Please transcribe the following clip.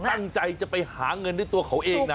ตั้งใจจะไปหาเงินด้วยตัวเขาเองนะ